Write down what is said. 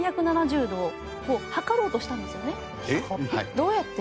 どうやって？